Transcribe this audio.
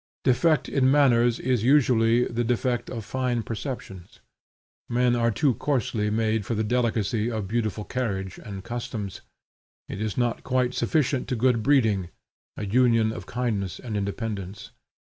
Defect in manners is usually the defect of fine perceptions. Men are too coarsely made for the delicacy of beautiful carriage and customs. It is not quite sufficient to good breeding, a union of kindness and independence.